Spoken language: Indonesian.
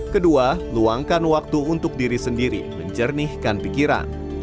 kedua luangkan waktu untuk diri sendiri menjernihkan pikiran